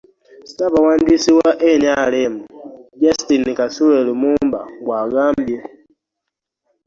Ssaabawandiisi wa NRM, Justine Kasule Lumumba bw'agambye